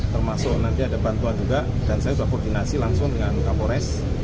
termasuk nanti ada bantuan juga dan saya sudah koordinasi langsung dengan kapolres